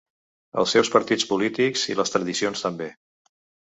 Els seus partits polítics i les tradicions també.